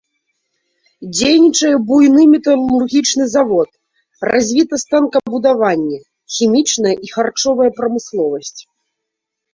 Дзейнічае буйны металургічны завод, развіта станкабудаванне, хімічная і харчовая прамысловасць.